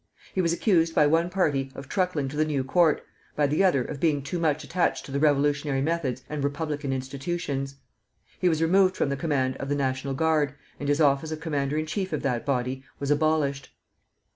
He was accused by one party of truckling to the new court, by the other of being too much attached to revolutionary methods and republican institutions. He was removed from the command of the National Guard, and his office of commander in chief of that body was abolished.